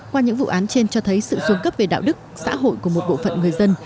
qua những vụ án trên cho thấy sự xuống cấp về đạo đức xã hội của một bộ phận người dân